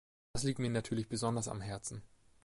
Das liegt mir natürlich besonders am Herzen.